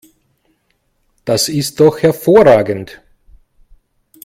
Das ist doch hervorragend!